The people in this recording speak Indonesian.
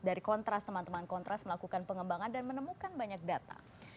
dari kontras teman teman kontras melakukan pengembangan dan menemukan banyak data